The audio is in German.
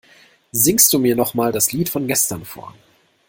Singst du mir noch mal das Lied von gestern vor?